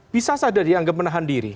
bisa saja dianggap menahan diri